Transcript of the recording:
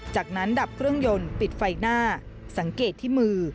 จากนั้นดับเครื่องยนต์ปิดไฟหน้าสังเกตที่มือ